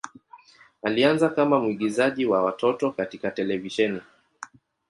Alianza kama mwigizaji wa watoto katika televisheni.